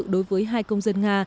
đối với hai công dân nga